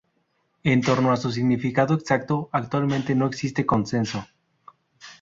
En torno a su significado exacto actualmente no existe consenso.